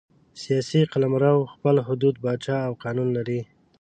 سیاسي قلمرو خپل حدود، پاچا او قانون لري.